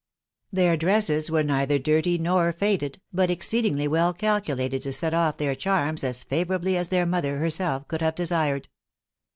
Their dresses were neither dirty nor faded, bat exceedingly well calculated to set off their charms as favourably as their mother herself could have desired.